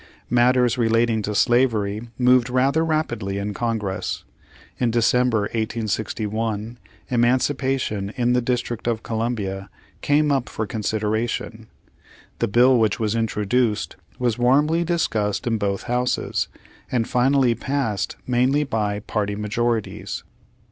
Matters relating to slavery moved rather rapidly in Congress. In December, 1861, eman cipation in the District of Columbia came up for consideration. The bill which was introduced, was warmly discussed in both houses, and finally passed mainly by party majorities.